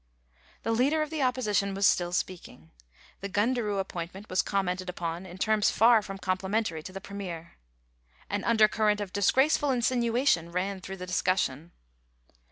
The leader of the Opposition was still speaking. The Gundaroo appointment was commented upon in terms far from complimentary to the Premier. An undercurrent of disgraceful insinuation ran through the discussion.